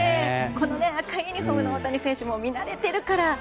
この赤いユニホームの大谷選手も見慣れているから。